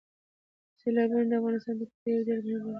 سیلابونه د افغانستان د طبیعت یوه ډېره مهمه برخه ده.